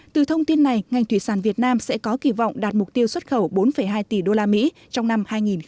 từ thông tin này ngành thủy sản việt nam sẽ có kỳ vọng đạt mục tiêu xuất khẩu bốn hai tỷ usd trong năm hai nghìn hai mươi